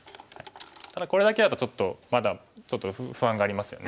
ただこれだけだとちょっとまだ不安がありますよね。